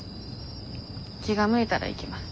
気が向いたら行きます。